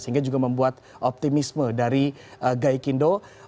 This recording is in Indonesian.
sehingga juga membuat optimisme dari gaikindo